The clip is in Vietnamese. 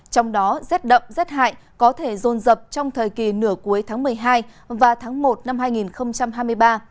trong đó rét đậm rét hại có thể rôn rập trong thời kỳ nửa cuối tháng một mươi hai và tháng một năm hai nghìn hai mươi ba